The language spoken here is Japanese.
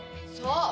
そう。